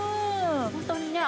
本当にね